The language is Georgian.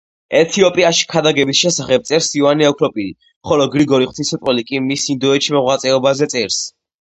ეთიოპიაში ქადაგების შესახებ წერს იოანე ოქროპირი, ხოლო გრიგორი ღვთისმეტყველი კი მის ინდოეთში მოღვაწეობაზე წერს.